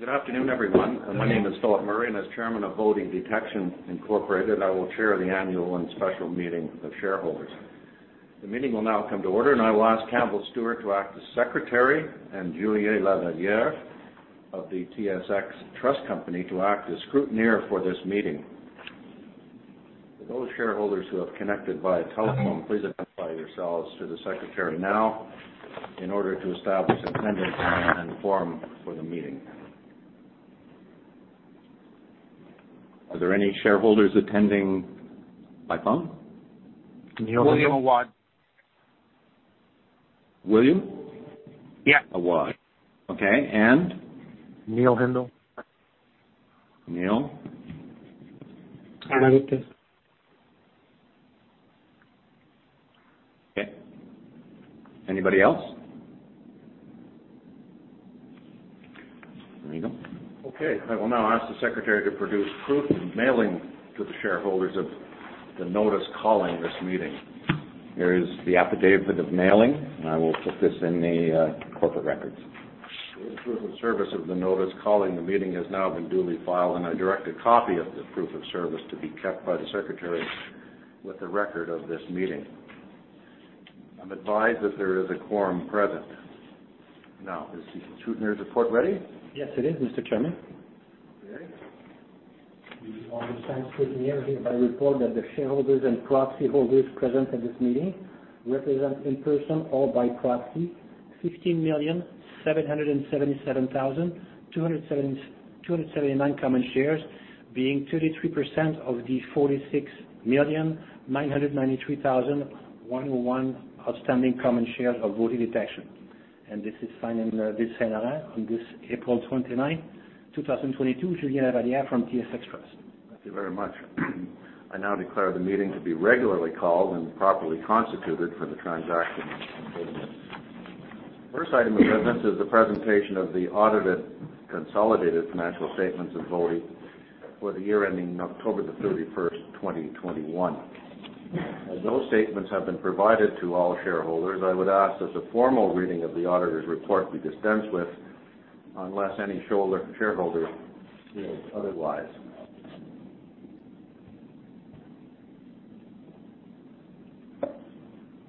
Good afternoon, everyone. My name is Philip Murray, and as Chairman of VOTI Detection Inc., I will chair the annual and special meeting of shareholders. The meeting will now come to order, and I will ask Campbell Stuart to act as secretary and Julien Lavallière of the TSX Trust Company to act as scrutineer for this meeting. For those shareholders who have connected via telephone, please identify yourselves to the secretary now in order to establish attendance and a quorum for the meeting. Are there any shareholders attending by phone? Neil Hindle. William Awad? William? Yeah. Awad. Okay. And? Neil Hindle. Neil? I'm on it, too. Okay. Anybody else? There you go. Okay. I will now ask the Secretary to produce proof of mailing to the shareholders of the notice calling this meeting. Here is the affidavit of mailing, and I will put this in the corporate records. The proof of service of the notice calling the meeting has now been duly filed, and I direct a copy of the proof of service to be kept by the secretary with the record of this meeting. I'm advised that there is a quorum present. Now, is the scrutineer's report ready? Yes, it is, Mr. Chairman. Okay. The undersigned scrutineer hereby report that the shareholders and proxy holders present at this meeting represent, in person or by proxy, 15,777,279 common shares, being 33% of the 46,993,101 outstanding common shares of VOTI Detection. This is signed in this day and hour, on this April 29, 2022, Julien Lavallière from TSX Trust. Thank you very much. I now declare the meeting to be regularly called and properly constituted for the transaction in business. First item of business is the presentation of the audited consolidated financial statements of VOTI for the year ending October 31, 2021. As those statements have been provided to all shareholders, I would ask that the formal reading of the auditor's report be dispensed with unless any shareholder feels otherwise.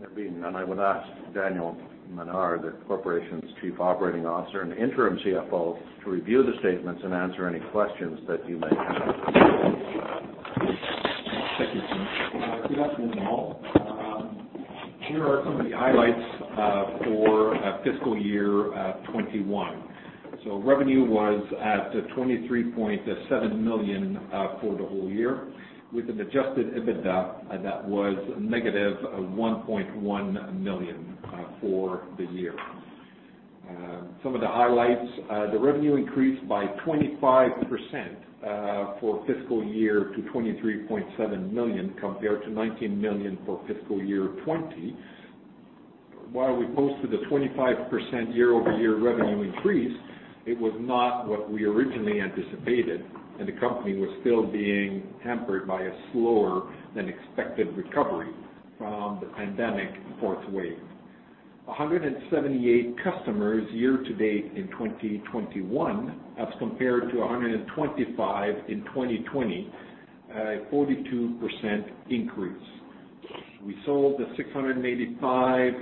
There being none, I would ask Daniel Ménard, the corporation's Chief Operating Officer and interim CFO, to review the statements and answer any questions that you may have. Thank you. Good afternoon, all. Here are some of the highlights for fiscal year 2021. Revenue was at 23.7 million for the whole year, with an adjusted EBITDA that was negative 1.1 million for the year. Some of the highlights, the revenue increased by 25% for fiscal year 2021 to 23.7 million compared to 19 million for fiscal year 2020. While we posted a 25% year-over-year revenue increase, it was not what we originally anticipated, and the company was still being hampered by a slower-than-expected recovery from the pandemic's fourth wave. 178 customers year to date in 2021 as compared to 125 in 2020, a 42% increase. We sold 685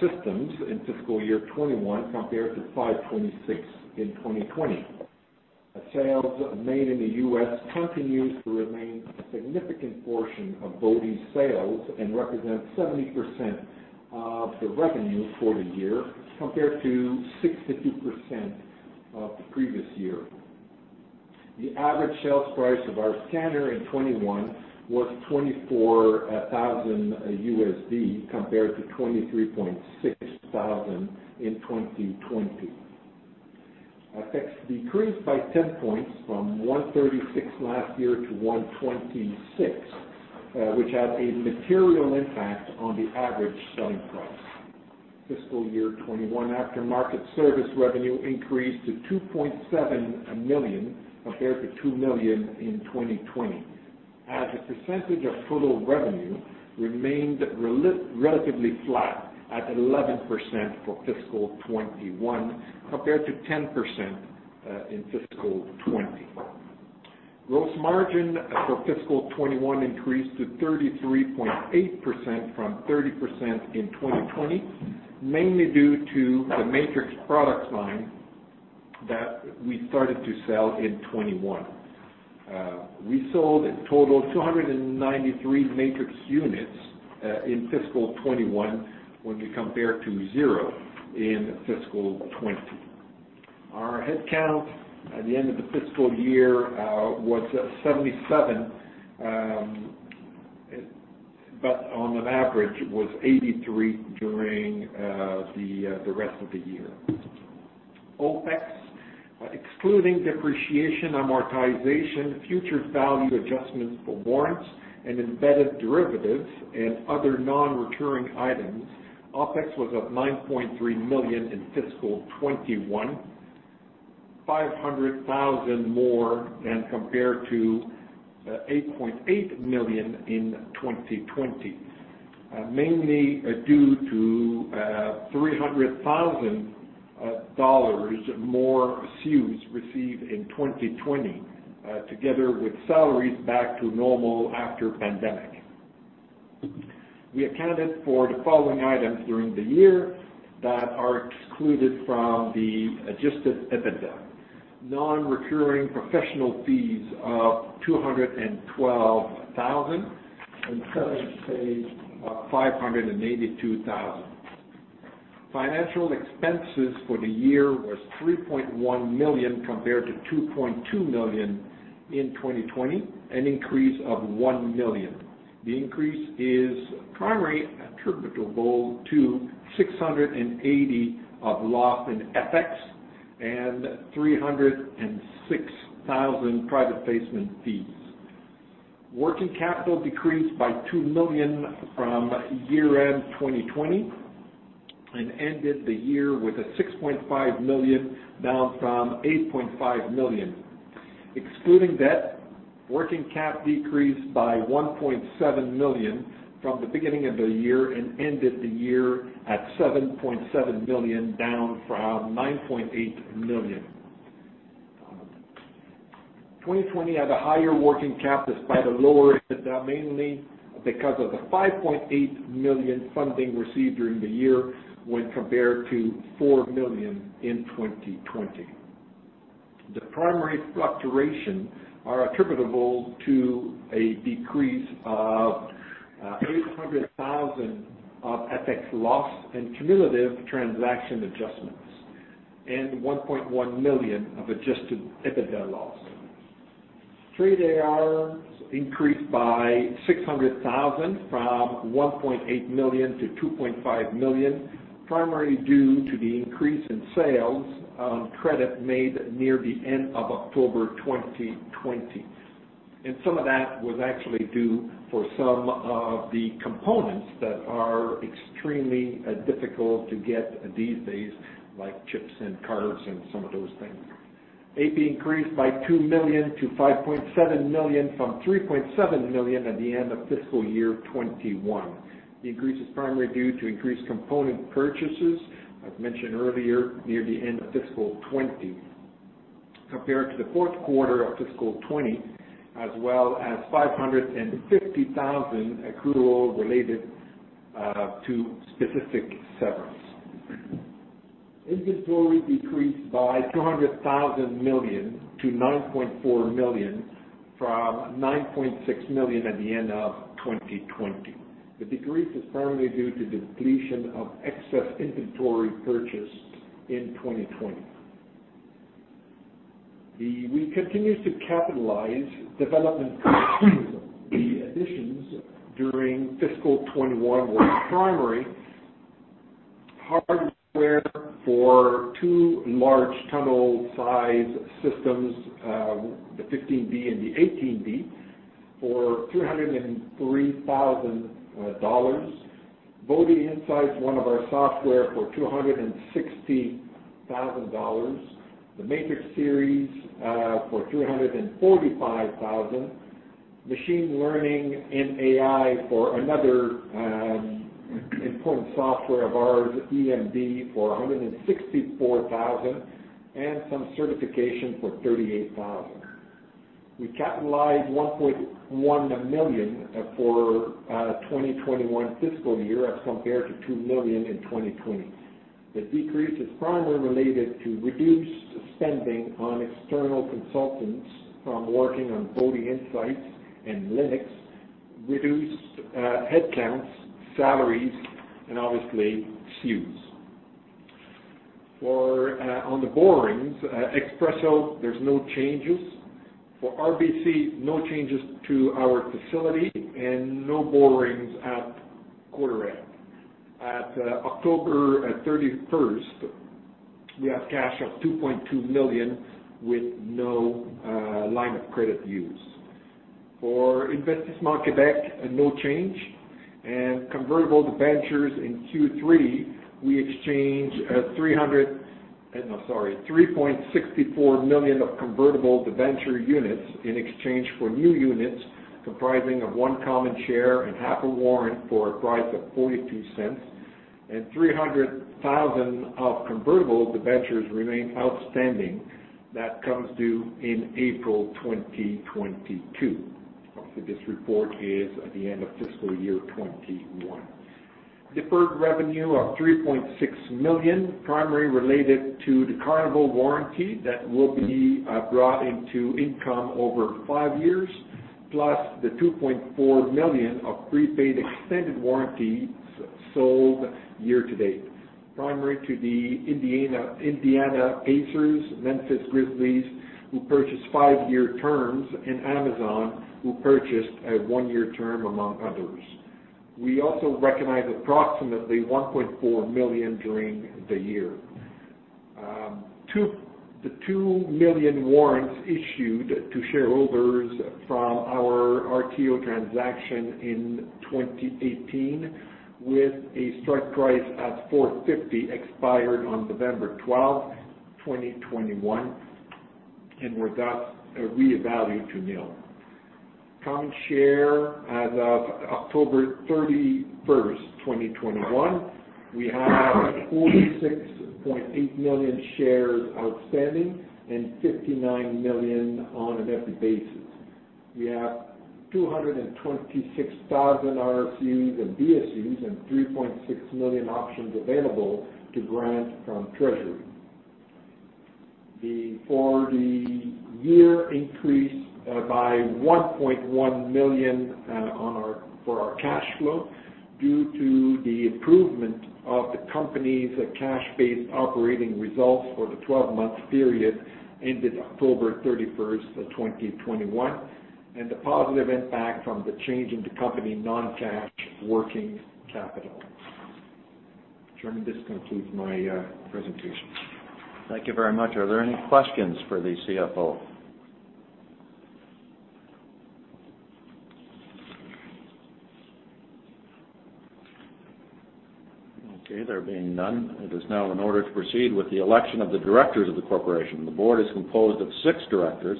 systems in fiscal year 2021 compared to 526 in 2020. Sales made in the U.S. continued to remain a significant portion of VOTI's sales and represent 70% of the revenue for the year compared to 60% of the previous year. The average sales price of our scanner in 2021 was $24,000 compared to $23,600 in 2020. FX decreased by 10 points from 1.36 points last year to 1.26 points, which had a material impact on the average selling price. Fiscal year 2021, after-market service revenue increased to 2.7 million compared to 2 million in 2020. As a percentage of total revenue remained relatively flat at 11% for fiscal 2021 compared to 10% in fiscal 2020. Gross margin for fiscal 2021 increased to 33.8% from 30% in 2020, mainly due to the Matrix product line that we started to sell in 2021. We sold a total of 293 Matrix units in fiscal 2021 when compared to 0% in fiscal 2020. Our head count at the end of the fiscal year was 77, but on an average was 83 during the rest of the year. OpEx, excluding depreciation, amortization, fair value adjustments for warrants and embedded derivatives and other non-recurring items, OpEx was up 9.3 million in fiscal 2021, 500,000 more than compared to 8.8 million in 2020. Mainly due to 300,000 dollars more CEWS received in 2020, together with salaries back to normal after pandemic. We accounted for the following items during the year that are excluded from the adjusted EBITDA. Non-recurring professional fees of CAD 212 thousand and severance pay of 582 thousand. Financial expenses for the year was 3.1 million compared to 2.2 million in 2020, an increase of 1 million. The increase is primarily attributable to 680 thousand loss in FX and 306 thousand private placement fees. Working capital decreased by 2 million from year-end 2020 and ended the year with 6.5 million, down from 8.5 million. Excluding debt, working cap decreased by 1.7 million from the beginning of the year and ended the year at 7.7 million, down from 9.8 million. 2020 had a higher working capital despite a lower EBITDA, mainly because of the 5.8 million funding received during the year when compared to 4 million in 2020. The primary fluctuation are attributable to a decrease of 800,000 of FX loss and cumulative transaction adjustments, and 1.1 million of adjusted EBITDA loss. Trade ARs increased by 600,000 from 1.8 million to 2.5 million, primarily due to the increase in sales on credit made near the end of October 2020. Some of that was actually due for some of the components that are extremely difficult to get these days, like chips and cards and some of those things. AP increased by 2 million to 5.7 million from 3.7 million at the end of fiscal year 2021. The increase is primarily due to increased component purchases, as mentioned earlier, near the end of fiscal 2020, compared to the fourth quarter of fiscal 2020, as well as 550,000 accrual related to specific severance. Inventory decreased by 200,000 to 9.4 million from 9.6 million at the end of 2020. The decrease is primarily due to depletion of excess inventory purchased in 2020. We continued to capitalize development additions during fiscal 2021, where the primary hardware for two large tunnel size systems, the 15B and the 18B, for 203,000 dollars. VOTI INSIGHTS, one of our software for 260,000 dollars. The Matrix series for 245,000. Machine learning and AI for another important software of ours, EMD, for 164,000, and some certification for 38,000. We capitalized 1.1 million for 2021 fiscal year as compared to 2 million in 2020. The decrease is primarily related to reduced spending on external consultants from working on VOTI INSIGHTS and Linux, reduced headcounts, salaries, and obviously SKUs. For on the borrowings, Espresso, there's no changes. For RBC, no changes to our facility and no borrowings at quarter end. At October 31, we have cash of 2.2 million with no line of credit used. For Investissement Québec, no change. Convertible debentures in Q3, we exchanged. 3.64 million of convertible debenture units in exchange for new units comprising of one common share and half a warrant for a price of 0.42 and 300,000 of convertible debentures remain outstanding that comes due in April 2022. This report is at the end of fiscal year 2021. Deferred revenue of 3.6 million, primarily related to the Carnival warranty that will be brought into income over five years, plus the 2.4 million of prepaid extended warranties sold year to date, primarily to the Indiana Pacers, Memphis Grizzlies, who purchased 5-year terms, and Amazon, who purchased a 1-year term, among others. We also recognized approximately 1.4 million during the year. The 2 million warrants issued to shareholders from our RTO transaction in 2018 with a strike price at 4.50 expired on November 12, 2021. And where that's reevaluated to nil. As of October 31, 2021, we have 46.8 million common shares outstanding and 59 million on a fully diluted basis. We have 226,000 RSUs and DSUs, and 3.6 million options available to grant from treasury. Our cash flow for the year increased by CAD 1.1 million due to the improvement of the company's cash-based operating results for the twelve-month period ended October 31, 2021, and the positive impact from the change in the company's non-cash working capital. Chairman, this concludes my presentation. Thank you very much. Are there any questions for the CFO? Okay, there being none, it is now in order to proceed with the election of the directors of the corporation. The board is composed of six directors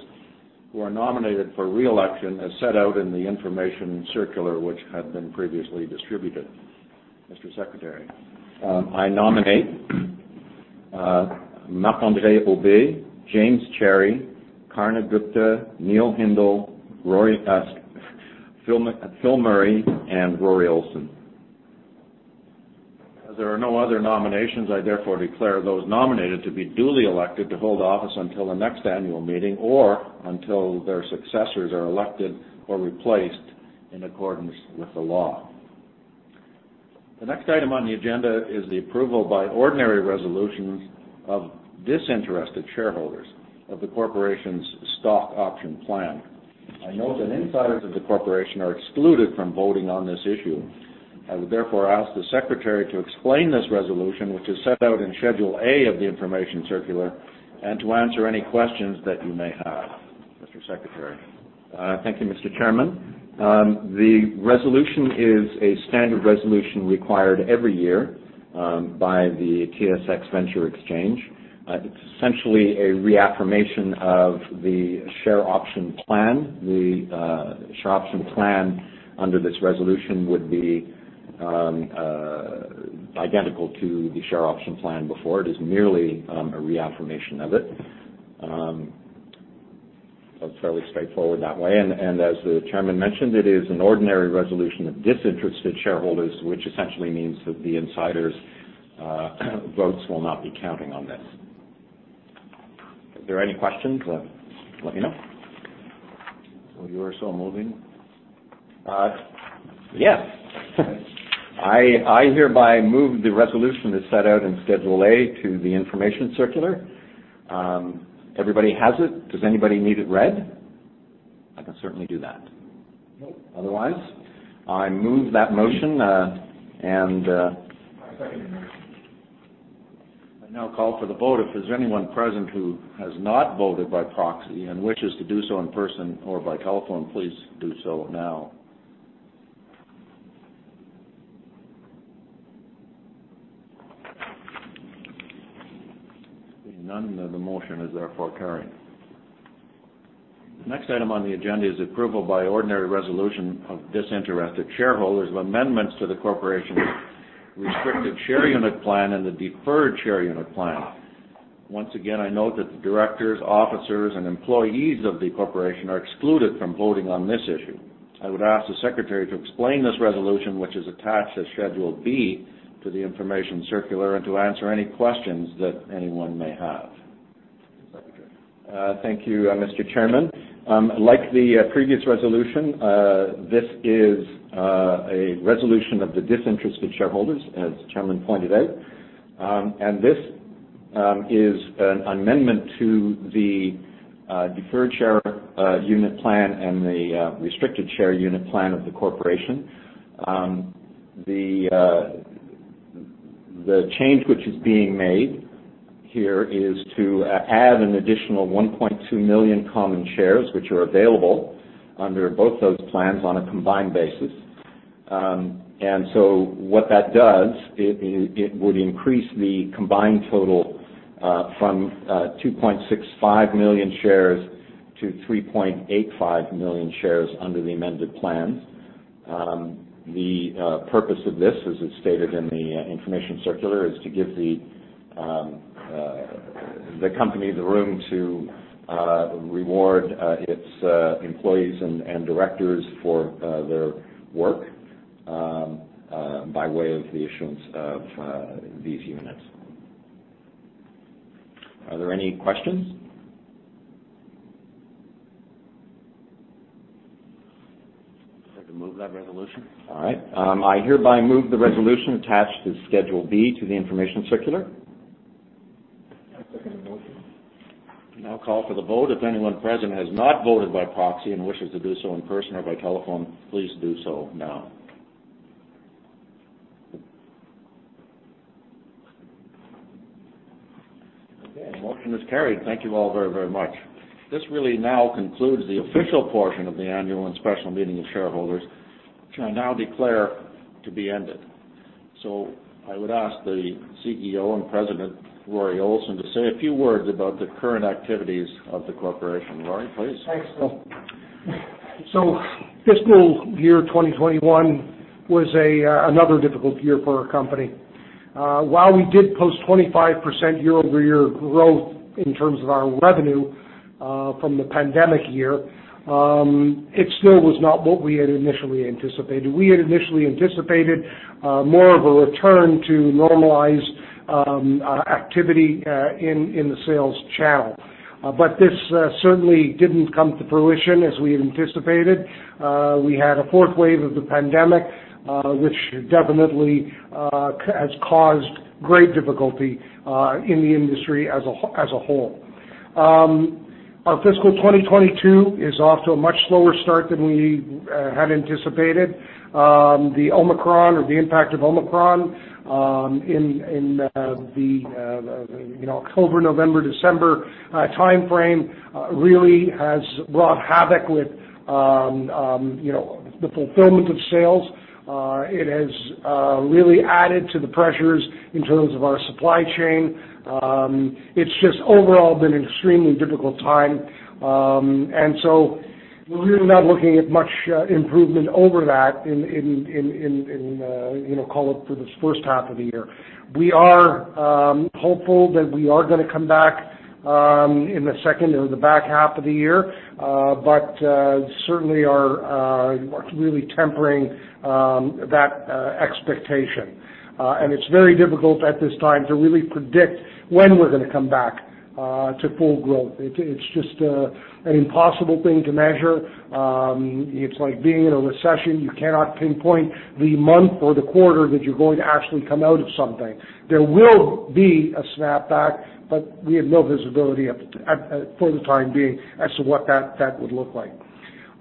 who are nominated for re-election as set out in the information circular, which had been previously distributed. Mr. Secretary. I nominate Marc-André Aubé, James Cherry, Karna Gupta, Neil Hindle, Phil Murray, and Rory Olson. As there are no other nominations, I therefore declare those nominated to be duly elected to hold office until the next annual meeting, or until their successors are elected or replaced in accordance with the law. The next item on the agenda is the approval by ordinary resolutions of disinterested shareholders of the corporation's stock option plan. I note that insiders of the corporation are excluded from voting on this issue. I would therefore ask the secretary to explain this resolution, which is set out in Schedule A of the information circular, and to answer any questions that you may have. Mr. Secretary. Thank you, Mr. Chairman. The resolution is a standard resolution required every year by the TSX Venture Exchange. It's essentially a reaffirmation of the share option plan. The share option plan under this resolution would be identical to the share option plan before. It is merely a reaffirmation of it. It's fairly straightforward that way, and as the chairman mentioned, it is an ordinary resolution of disinterested shareholders, which essentially means that the insiders' votes will not be counting on this. If there are any questions, let me know. Will you or so moving? Yes. I hereby move the resolution as set out in Schedule A to the information circular. Everybody has it. Does anybody need it read? I can certainly do that. Nope. Otherwise, I move that motion. I second the motion. I now call for the vote. If there's anyone present who has not voted by proxy and wishes to do so in person or by telephone, please do so now. Seeing none, the motion is therefore carried. The next item on the agenda is approval by ordinary resolution of disinterested shareholders of amendments to the corporation's restricted share unit plan and the deferred share unit plan. Once again, I note that the directors, officers, and employees of the corporation are excluded from voting on this issue. I would ask the secretary to explain this resolution, which is attached as Schedule B to the information circular, and to answer any questions that anyone may have. Secretary. Thank you, Mr. Chairman. Like the previous resolution, this is a resolution of the disinterested shareholders, as the chairman pointed out. This is an amendment to the deferred share unit plan and the restricted share unit plan of the corporation. The change which is being made here is to add an additional 1.2 million common shares which are available under both those plans on a combined basis. What that does would increase the combined total from 2.65 million shares to 3.85 million shares under the amended plan. The purpose of this, as is stated in the information circular, is to give the company the room to reward its employees and directors for their work by way of the issuance of these units. Are there any questions? Would you like to move that resolution? All right. I hereby move the resolution attached to Schedule B to the information circular. I second the motion. I now call for the vote. If anyone present has not voted by proxy and wishes to do so in person or by telephone, please do so now. Okay, the motion is carried. Thank you all very, very much. This really now concludes the official portion of the annual and special meeting of shareholders, which I now declare to be ended. I would ask the CEO and President, Rory Olson, to say a few words about the current activities of the corporation. Rory, please. Thanks, Phil. Fiscal year 2021 was another difficult year for our company. While we did post 25% year-over-year growth in terms of our revenue from the pandemic year, it still was not what we had initially anticipated. We had initially anticipated more of a return to normalized activity in the sales channel. This certainly didn't come to fruition as we had anticipated. We had a fourth wave of the pandemic, which definitely has caused great difficulty in the industry as a whole. Our fiscal 2022 is off to a much slower start than we had anticipated. The Omicron or the impact of Omicron in the you know, October, November, December timeframe really has brought havoc with you know, the fulfillment of sales. It has really added to the pressures in terms of our supply chain. It's just overall been an extremely difficult time. We're really not looking at much improvement over that in you know, call it for this first half of the year. We are hopeful that we are gonna come back in the second or the back half of the year, but certainly are really tempering that expectation. It's very difficult at this time to really predict when we're gonna come back to full growth. It's just an impossible thing to measure. It's like being in a recession, you cannot pinpoint the month or the quarter that you're going to actually come out of something. There will be a snapback, but we have no visibility for the time being as to what that would look like.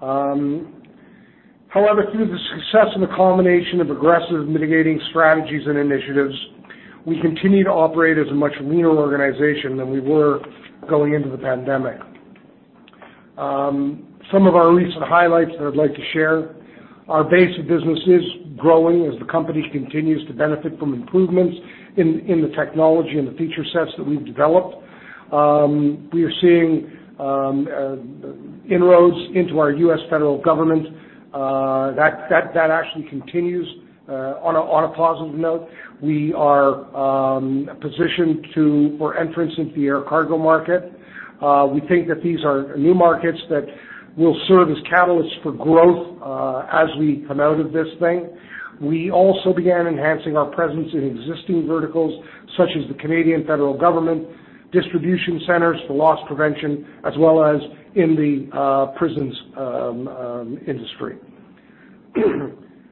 However, through the success and the combination of aggressive mitigating strategies and initiatives, we continue to operate as a much leaner organization than we were going into the pandemic. Some of our recent highlights that I'd like to share, our base of business is growing as the company continues to benefit from improvements in the technology and the feature sets that we've developed. We are seeing inroads into our U.S. federal government that actually continues on a positive note. We are positioned for entrance into the air cargo market. We think that these are new markets that will serve as catalysts for growth as we come out of this thing. We also began enhancing our presence in existing verticals such as the Canadian federal government, distribution centers for loss prevention, as well as in the prisons industry.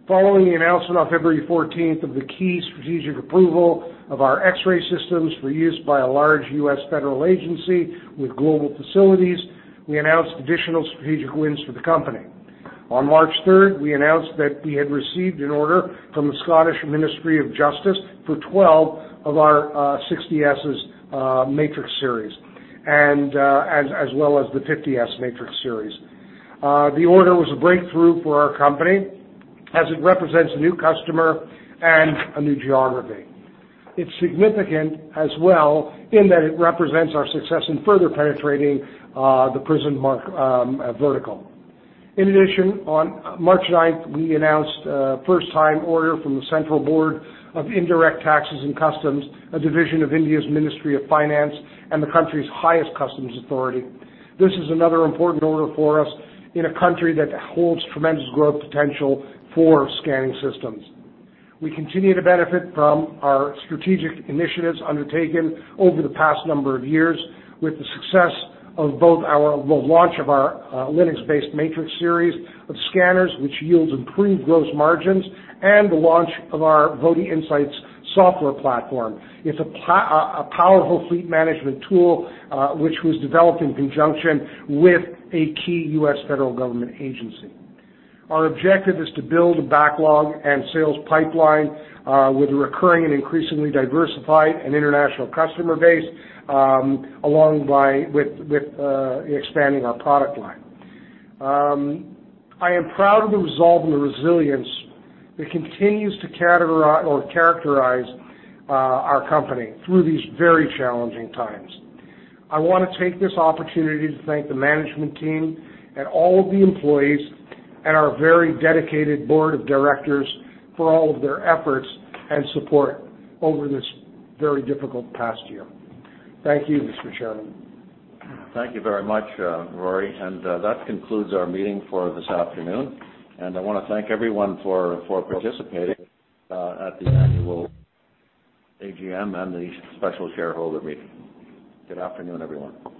Following the announcement on February fourteenth of the key strategic approval of our X-ray systems for use by a large U.S. federal agency with global facilities, we announced additional strategic wins for the company. On March third, we announced that we had received an order from the Scottish Ministry of Justice for 12 of our 60 S's Matrix series and as well as the 50 S Matrix series. The order was a breakthrough for our company as it represents a new customer and a new geography. It's significant as well in that it represents our success in further penetrating the prison vertical. In addition, on March ninth, we announced a first-time order from the Central Board of Indirect Taxes and Customs, a division of India's Ministry of Finance and the country's highest customs authority. This is another important order for us in a country that holds tremendous growth potential for scanning systems. We continue to benefit from our strategic initiatives undertaken over the past number of years with the success of the launch of our Linux-based Matrix series of scanners, which yields improved gross margins and the launch of our VOTI INSIGHTS software platform. It's a powerful fleet management tool which was developed in conjunction with a key U.S. federal government agency. Our objective is to build a backlog and sales pipeline with a recurring and increasingly diversified and international customer base with expanding our product line. I am proud of the resolve and the resilience that continues to characterize our company through these very challenging times. I wanna take this opportunity to thank the management team and all of the employees and our very dedicated board of directors for all of their efforts and support over this very difficult past year. Thank you, Mr. Chairman. Thank you very much, Rory. That concludes our meeting for this afternoon. I wanna thank everyone for participating at the annual AGM and the special shareholder meeting. Good afternoon, everyone.